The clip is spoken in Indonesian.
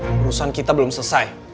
urusan kita belum selesai